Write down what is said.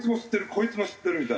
こいつも知ってる！みたいな。